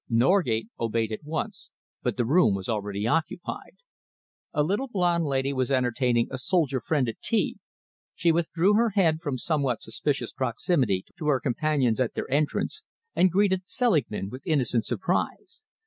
Norgate obeyed at once, but the room was already occupied. A little blond lady was entertaining a soldier friend at tea. She withdrew her head from somewhat suspicious proximity to her companion's at their entrance and greeted Selingman with innocent surprise.